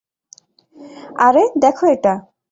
আরে, দেখো এটা।